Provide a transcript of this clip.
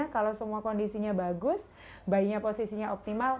kalau semua kondisinya bagus bayinya posisinya optimal